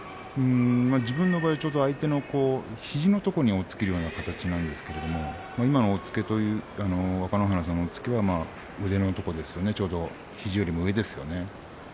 自分の場合ちょうど相手の肘のところに押っつけるような形なんですけど今の押っつけという若乃花さんの押っつけは腕のところですよね、ちょうど肘よりも上ですよね。